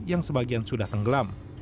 yang sebagian sudah tenggelam